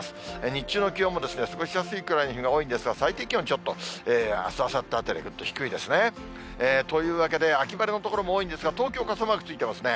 日中の気温も、過ごしやすいくらいの日が多いんですが、最低気温ちょっと、あす、あさってあたり、ぐっと低いですね。というわけで、秋晴れの所も多いんですが、東京傘マークついてますね。